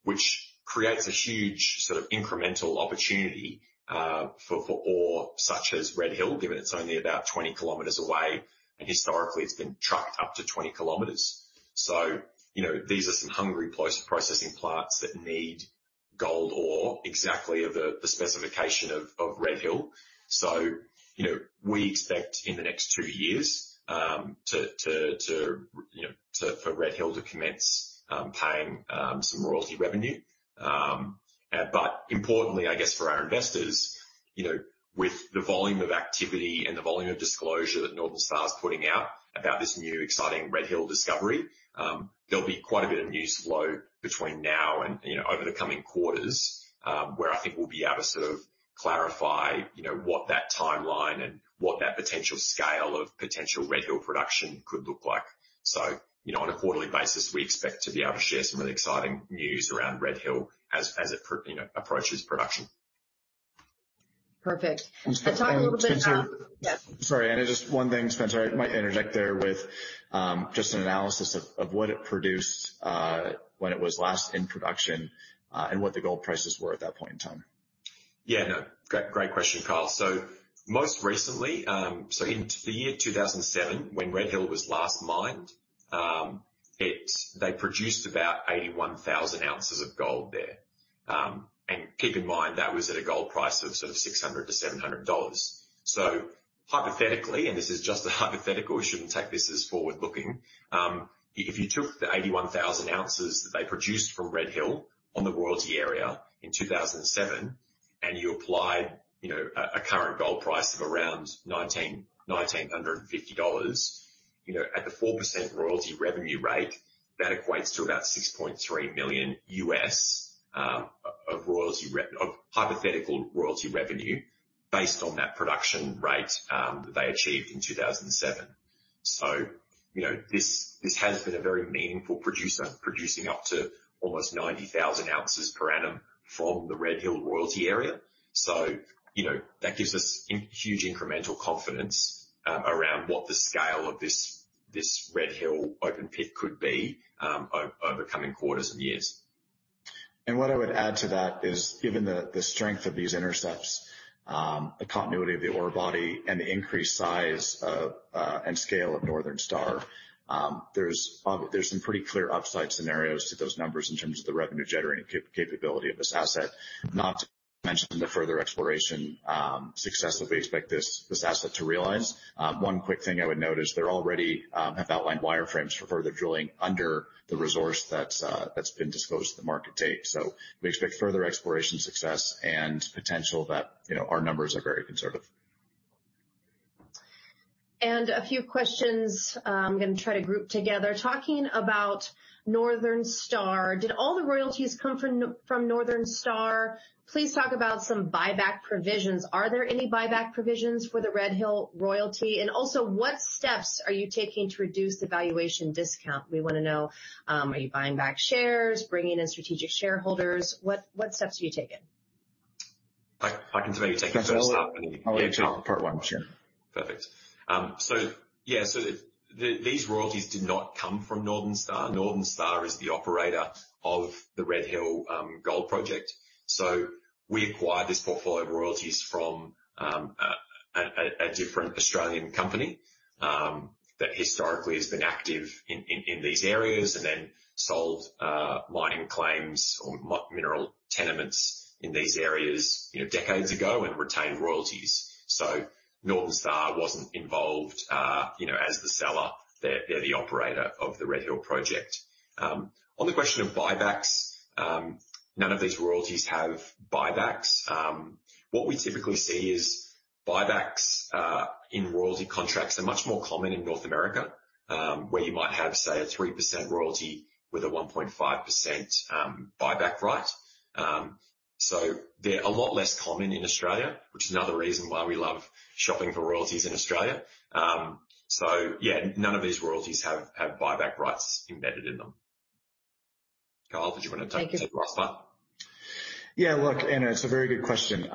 which creates a huge sort of incremental opportunity for ore, such as Red Hill, given it's only about 20 kilometers away, and historically it's been trucked up to 20 km. So, you know, these are some hungry processing plants that need gold ore, exactly of the specification of Red Hill. So, you know, we expect in the next 2 years for Red Hill to commence paying some royalty revenue. But importantly, I guess, for our investors, you know, with the volume of activity and the volume of disclosure that Northern Star is putting out about this new exciting Red Hill discovery, there'll be quite a bit of news flow between now and, you know, over the coming quarters, where I think we'll be able to sort of clarify, you know, what that timeline and what that potential scale of potential Red Hill production could look like. So, you know, on a quarterly basis, we expect to be able to share some of the exciting news around Red Hill as, as it, you know, approaches production. Perfect. And talk a little bit about- Sorry, Anna, just one thing, Spencer. I might interject there with just an analysis of what it produced when it was last in production and what the gold prices were at that point in time. Yeah, no, great, great question, Kyle. So most recently, so in the year 2007, when Red Hill was last mined, They produced about 81,000 oz of gold there. And keep in mind, that was at a gold price of sort of $600-$700. So hypothetically, and this is just a hypothetical, you shouldn't take this as forward-looking, if you took the 81,000 oz that they produced from Red Hill on the royalty area in 2007, and you applied, you know, a, a current gold price of around $1,950, you know, at the 4% royalty revenue rate, that equates to about $6.3 million of royalty revenue of hypothetical royalty revenue based on that production rate, that they achieved in 2007. So, you know, this, this has been a very meaningful producer, producing up to almost 90,000 oz per annum from the Red Hill royalty area. So, you know, that gives us huge incremental confidence around what the scale of this, this Red Hill open pit could be over coming quarters and years. And what I would add to that is, given the strength of these intercepts, the continuity of the ore body and the increased size of and scale of Northern Star, there's some pretty clear upside scenarios to those numbers in terms of the revenue-generating capability of this asset, not to mention the further exploration success that we expect this asset to realize. One quick thing I would note is they already have outlined wireframes for further drilling under the resource that's been disclosed to the market to date. So we expect further exploration success and potential that, you know, our numbers are very conservative. A few questions, I'm going to try to group together. Talking about Northern Star, did all the royalties come from Northern Star? Please talk about some buyback provisions. Are there any buyback provisions for the Red Hill royalty? And also, what steps are you taking to reduce the valuation discount? We want to know, are you buying back shares, bringing in strategic shareholders? What steps have you taken?... I can maybe take the first start and then- Part one. Sure. Perfect. So yeah, these royalties did not come from Northern Star. Northern Star is the operator of the Red Hill Gold Project. So we acquired this portfolio of royalties from a different Australian company that historically has been active in these areas and then sold mining claims or mineral tenements in these areas, you know, decades ago and retained royalties. So Northern Star wasn't involved, you know, as the seller. They're the operator of the Red Hill project. On the question of buybacks, none of these royalties have buybacks. What we typically see is buybacks in royalty contracts are much more common in North America, where you might have, say, a 3% royalty with a 1.5% buyback right. So they're a lot less common in Australia, which is another reason why we love shopping for royalties in Australia. So yeah, none of these royalties have buyback rights embedded in them. Kyle, did you want to take the last one? Yeah, look, and it's a very good question.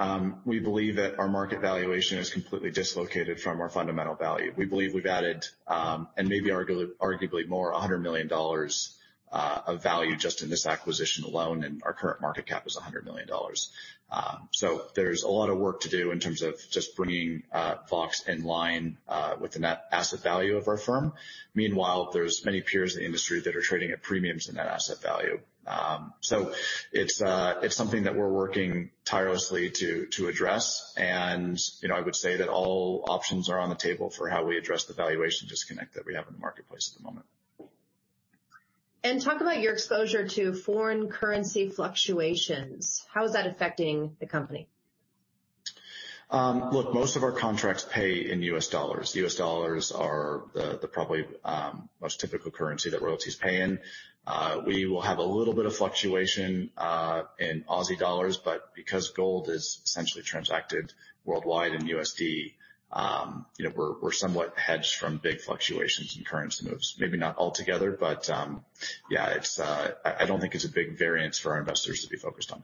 We believe that our market valuation is completely dislocated from our fundamental value. We believe we've added, and maybe arguably more, $100 million of value just in this acquisition alone, and our current market cap is $100 million. So there's a lot of work to do in terms of just bringing Vox in line with the net asset value of our firm. Meanwhile, there's many peers in the industry that are trading at premiums to net asset value. So it's something that we're working tirelessly to address. And, you know, I would say that all options are on the table for how we address the valuation disconnect that we have in the marketplace at the moment. Talk about your exposure to foreign currency fluctuations. How is that affecting the company? Look, most of our contracts pay in US dollars. US dollars are the probably most typical currency that royalties pay in. We will have a little bit of fluctuation in Aussie dollars, but because gold is essentially transacted worldwide in USD, you know, we're somewhat hedged from big fluctuations in currency moves. Maybe not altogether, but, yeah, it's I don't think it's a big variance for our investors to be focused on.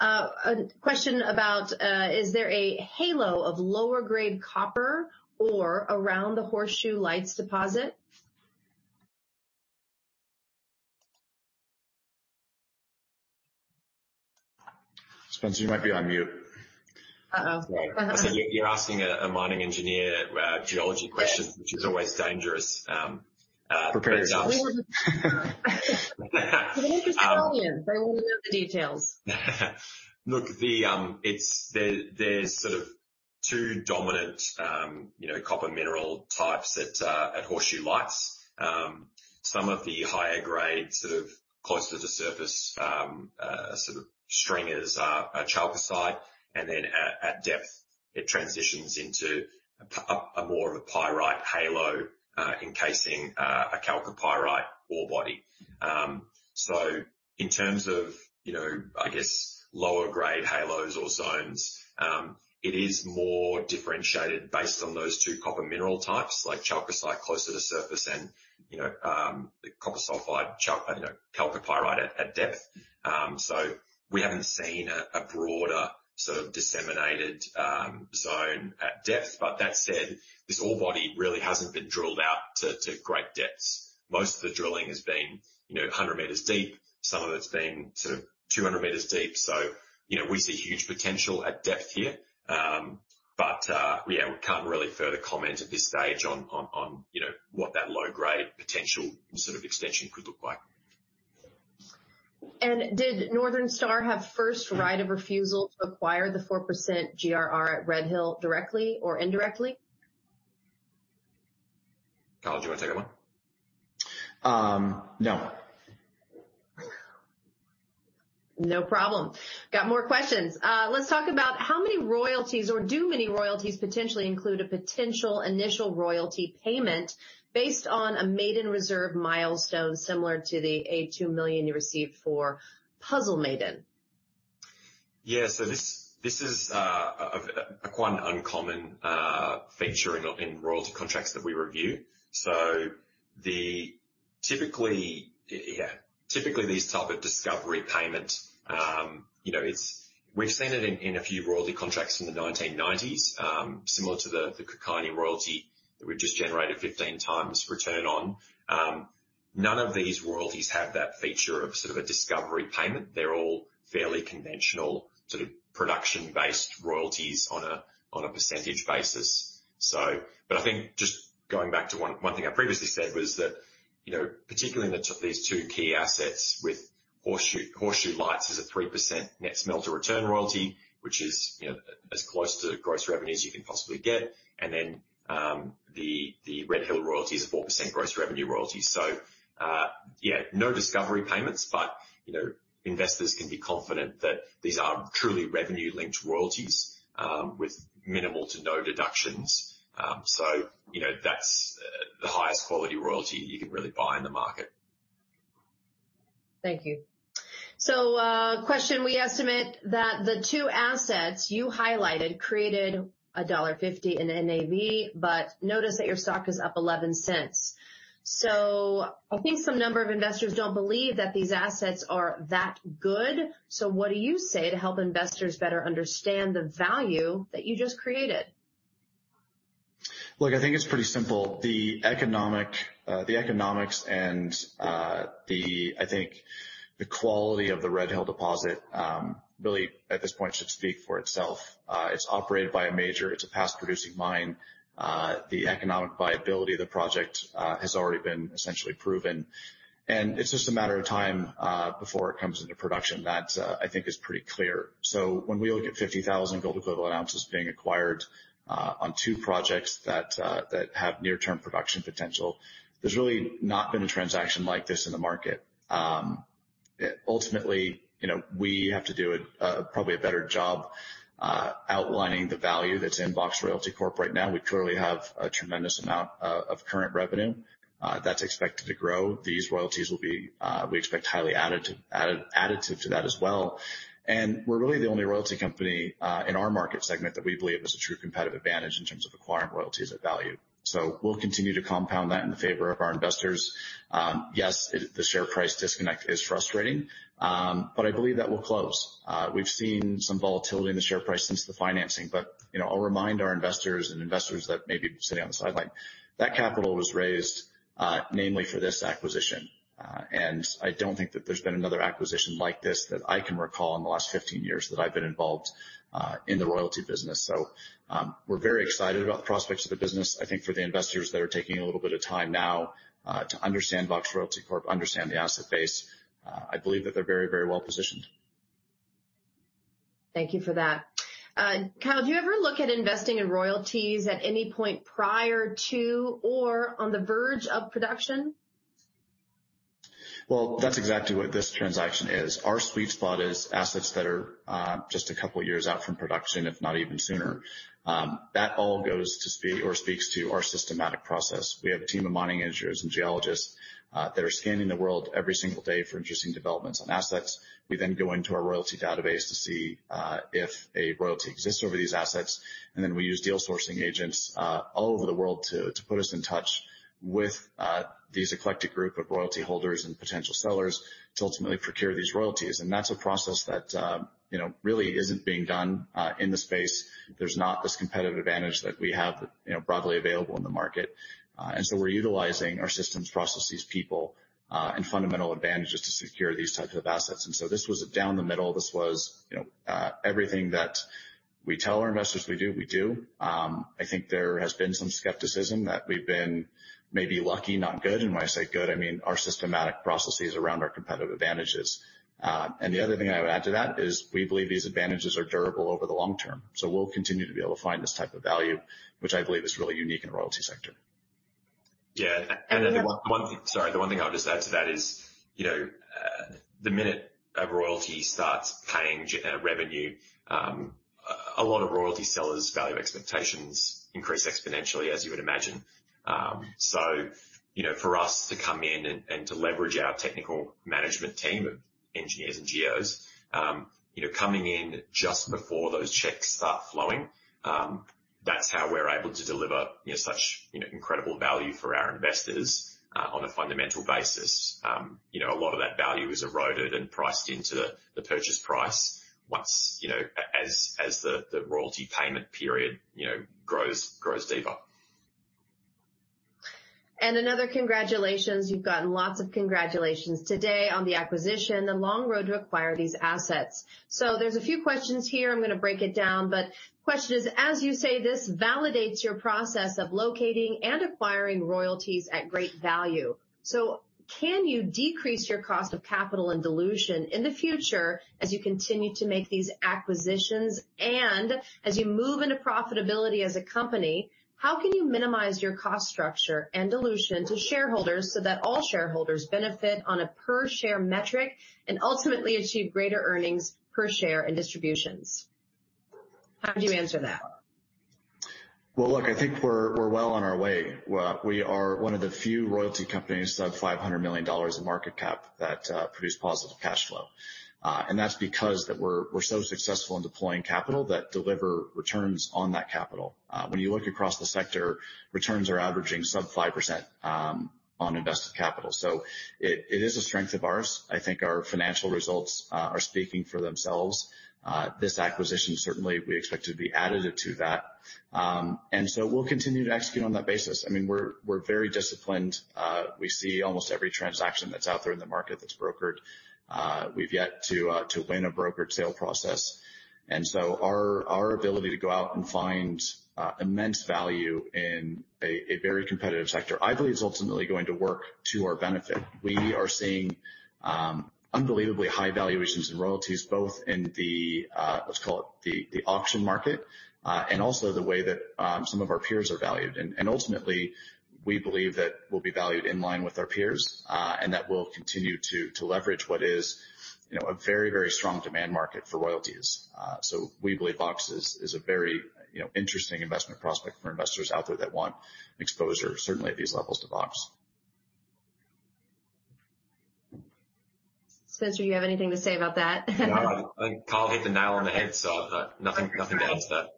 A question about, is there a halo of lower grade copper or around the Horseshoe Lights deposit? Spencer, you might be on mute. Uh-oh. So you're asking a mining engineer geology questions, which is always dangerous. But they're Australian, they want to know the details. Look, there are sort of two dominant, you know, copper mineral types at Horseshoe Lights. Some of the higher grade, sort of closer to surface, sort of stringers are chalcocite, and then at depth, it transitions into a more of a pyrite halo encasing a chalcopyrite ore body. So in terms of, you know, I guess lower grade halos or zones, it is more differentiated based on those two copper mineral types, like chalcocite closer to surface and, you know, copper sulfide chalcopyrite at depth. So we haven't seen a broader sort of disseminated zone at depth. But that said, this ore body really hasn't been drilled out to great depths. Most of the drilling has been, you know, 100 m deep. Some of it's been sort of 200 m deep. So, you know, we see huge potential at depth here. But, yeah, we can't really further comment at this stage on, you know, what that low-grade potential sort of extension could look like. Did Northern Star have right of first refusal to acquire the 4% GRR at Red Hill, directly or indirectly? Kyle, do you want to take that one? Um, no. No problem. Got more questions. Let's talk about how many royalties or do many royalties potentially include a potential initial royalty payment based on a maiden reserve milestone, similar to the $82 million you received for Puzzle North? Yeah. So this is a quite uncommon feature in royalty contracts that we review. So typically, these type of discovery payment, you know, it's, we've seen it in a few royalty contracts from the 1990s, similar to the Kookynie royalty, that we've just generated 15x return on. None of these royalties have that feature of sort of a discovery payment. They're all fairly conventional, sort of production-based royalties on a percentage basis. But I think just going back to one thing I previously said was that, you know, particularly in these two key assets with Horseshoe, Horseshoe Lights is a 3% net smelter return royalty, which is, you know, as close to gross revenues you can possibly get. Then, the Red Hill royalty is a 4% gross revenue royalty. So, yeah, no discovery payments, but, you know, investors can be confident that these are truly revenue-linked royalties, with minimal to no deductions. So, you know, that's the highest quality royalty you can really buy in the market. Thank you. So, question: We estimate that the two assets you highlighted created $1.50 in NAV, but notice that your stock is up $0.11. So I think some number of investors don't believe that these assets are that good. So what do you say to help investors better understand the value that you just created?... Look, I think it's pretty simple. The economic, the economics and, the, I think, the quality of the Red Hill deposit, really, at this point, should speak for itself. It's operated by a major, it's a past producing mine. The economic viability of the project, has already been essentially proven, and it's just a matter of time, before it comes into production. That, I think is pretty clear. So when we look at 50,000 gold equivalent ounces being acquired, on two projects that, that have near-term production potential, there's really not been a transaction like this in the market. Ultimately, you know, we have to do, probably a better job, outlining the value that's in Vox Royalty Corp right now. We clearly have a tremendous amount, of current revenue, that's expected to grow. These royalties will be, we expect, highly additive to that as well. And we're really the only royalty company, in our market segment, that we believe has a true competitive advantage in terms of acquiring royalties at value. So we'll continue to compound that in favor of our investors. Yes, the share price disconnect is frustrating, but I believe that will close. We've seen some volatility in the share price since the financing, but, you know, I'll remind our investors and investors that may be sitting on the sideline, that capital was raised, mainly for this acquisition. And I don't think that there's been another acquisition like this, that I can recall, in the last 15 years that I've been involved, in the royalty business. So, we're very excited about the prospects of the business. I think for the investors that are taking a little bit of time now, to understand Vox Royalty Corp, understand the asset base, I believe that they're very, very well positioned. Thank you for that. Kyle, do you ever look at investing in royalties at any point prior to or on the verge of production? Well, that's exactly what this transaction is. Our sweet spot is assets that are just a couple of years out from production, if not even sooner. That all goes to speak or speaks to our systematic process. We have a team of mining engineers and geologists that are scanning the world every single day for interesting developments on assets. We then go into our royalty database to see if a royalty exists over these assets, and then we use deal sourcing agents all over the world to put us in touch with these eclectic group of royalty holders and potential sellers to ultimately procure these royalties. And that's a process that, you know, really isn't being done in the space. There's not this competitive advantage that we have, you know, broadly available in the market. And so we're utilizing our systems, processes, people, and fundamental advantages to secure these types of assets. And so this was down the middle. This was, you know, everything that we tell our investors we do, we do. I think there has been some skepticism that we've been maybe lucky, not good, and when I say good, I mean, our systematic processes around our competitive advantages. And the other thing I would add to that is we believe these advantages are durable over the long term, so we'll continue to be able to find this type of value, which I believe is really unique in the royalty sector. Yeah, and then the one- Yeah. Sorry, the one thing I'll just add to that is, you know, the minute a royalty starts paying revenue, a lot of royalty sellers' value expectations increase exponentially, as you would imagine. So, you know, for us to come in and to leverage our technical management team of engineers and geos, you know, coming in just before those checks start flowing, that's how we're able to deliver, you know, such incredible value for our investors, on a fundamental basis. You know, a lot of that value is eroded and priced into the purchase price once, as the royalty payment period grows deeper. Another congratulations. You've gotten lots of congratulations today on the acquisition, the long road to acquire these assets. So there's a few questions here. I'm gonna break it down, but the question is, as you say, this validates your process of locating and acquiring royalties at great value. So can you decrease your cost of capital and dilution in the future as you continue to make these acquisitions? And as you move into profitability as a company, how can you minimize your cost structure and dilution to shareholders so that all shareholders benefit on a per-share metric and ultimately achieve greater earnings per share and distributions? How would you answer that? Well, look, I think we're well on our way. We are one of the few royalty companies that have $500 million in market cap that produce positive cash flow. And that's because we're so successful in deploying capital that deliver returns on that capital. When you look across the sector, returns are averaging sub 5% on invested capital. So it is a strength of ours. I think our financial results are speaking for themselves. This acquisition, certainly, we expect to be additive to that. And so we'll continue to execute on that basis. I mean, we're very disciplined. We see almost every transaction that's out there in the market that's brokered. We've yet to win a brokered sale process, and so our ability to go out and find immense value in a very competitive sector, I believe, is ultimately going to work to our benefit. We are seeing unbelievably high valuations in royalties, both in the let's call it the auction market, and also the way that some of our peers are valued. And ultimately, we believe that we'll be valued in line with our peers, and that we'll continue to leverage what is, you know, a very, very strong demand market for royalties. So we believe Vox is a very, you know, interesting investment prospect for investors out there that want exposure, certainly at these levels, to Vox. Spencer, do you have anything to say about that? No, I think Kyle hit the nail on the head, so, nothing, nothing to add to that.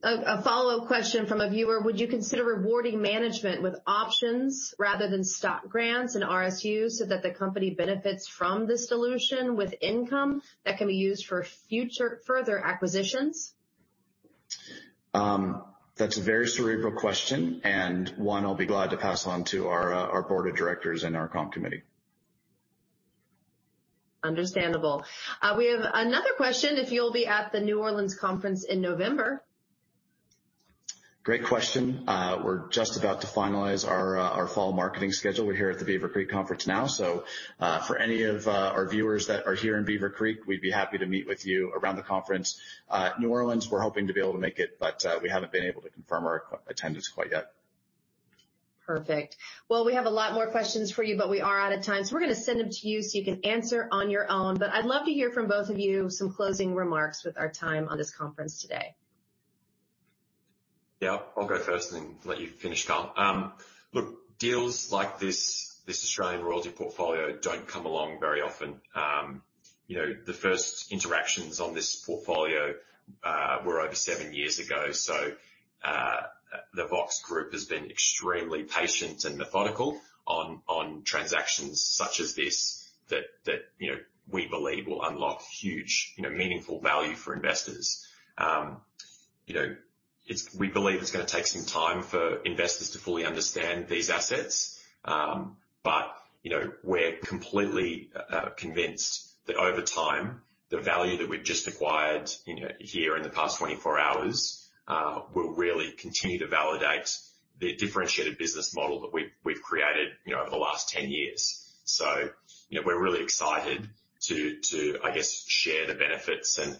A follow-up question from a viewer: Would you consider rewarding management with options rather than stock grants and RSU so that the company benefits from this dilution with income that can be used for future further acquisitions?... That's a very cerebral question, and one I'll be glad to pass on to our board of directors and our comp committee. Understandable. We have another question, if you'll be at the New Orleans Conference in November? Great question. We're just about to finalize our fall marketing schedule. We're here at the Beaver Creek Conference now. So, for any of our viewers that are here in Beaver Creek, we'd be happy to meet with you around the conference. New Orleans, we're hoping to be able to make it, but, we haven't been able to confirm our attendance quite yet. Perfect. Well, we have a lot more questions for you, but we are out of time, so we're gonna send them to you, so you can answer on your own. But I'd love to hear from both of you some closing remarks with our time on this conference today. Yeah, I'll go first and then let you finish, Kyle. Look, deals like this, this Australian royalty portfolio don't come along very often. You know, the first interactions on this portfolio were over 7 years ago. So, the Vox group has been extremely patient and methodical on transactions such as this, that you know, we believe will unlock huge, you know, meaningful value for investors. You know, it's, we believe it's gonna take some time for investors to fully understand these assets. But, you know, we're completely convinced that over time, the value that we've just acquired, you know, here in the past 24 hours, will really continue to validate the differentiated business model that we've created, you know, over the last 10 years. You know, we're really excited to, I guess, share the benefits and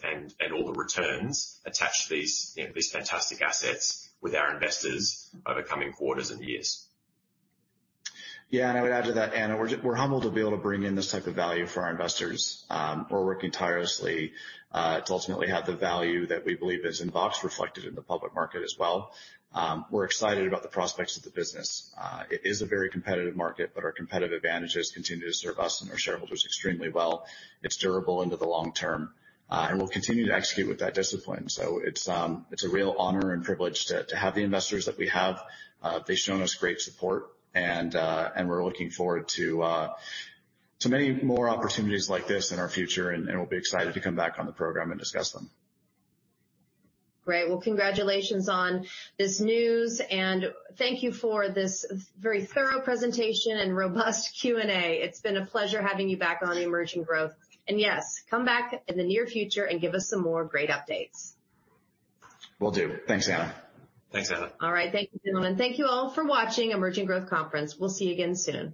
all the returns attached to these, you know, these fantastic assets with our investors over coming quarters and years. Yeah, and I would add to that, Anna, we're humbled to be able to bring in this type of value for our investors. We're working tirelessly to ultimately have the value that we believe is in Vox reflected in the public market as well. We're excited about the prospects of the business. It is a very competitive market, but our competitive advantages continue to serve us and our shareholders extremely well. It's durable into the long term, and we'll continue to execute with that discipline. So it's a real honor and privilege to have the investors that we have. They've shown us great support, and we're looking forward to many more opportunities like this in our future, and we'll be excited to come back on the program and discuss them. Great. Well, congratulations on this news, and thank you for this very thorough presentation and robust Q&A. It's been a pleasure having you back on Emerging Growth. Yes, come back in the near future and give us some more great updates. Will do. Thanks, Anna. Thanks, Anna. All right. Thank you, gentlemen. Thank you all for watching Emerging Growth Conference. We'll see you again soon.